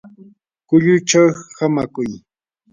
kullullachaw hamakuy.